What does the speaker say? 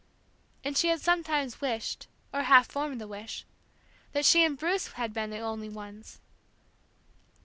And she had sometimes wished, or half formed the wish, that she and Bruce bad been the only ones